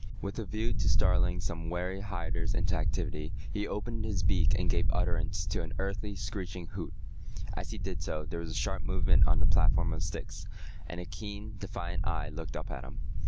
With a view to startling some wary hiders into activity, he opened his beak and gave utterance to an unearthly screeching hoot. As he did so, there was a sharp movement on the platform of sticks, and a keen, defiant eye looked up at him.